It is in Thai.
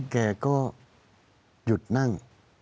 แกก็หยุดนั่ง